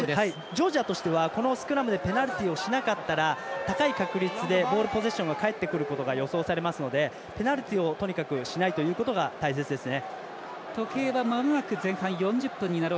ジョージアとしてはこのスクラムでペナルティをしなかったら高い確率でボールポゼッションが返ってくることが予想されるのでペナルティをとにかくしないということが大切ですね。